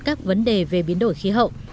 các vấn đề về biến đổi khí hậu